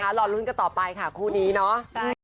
ใช่นะคะรอลุ้นกันต่อไปค่ะคู่นี้เนอะ